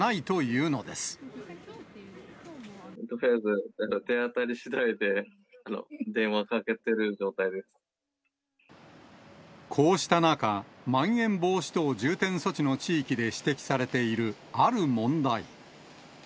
とりあえず手当たりしだいでこうした中、まん延防止等重点措置の地域で指摘されているある問題。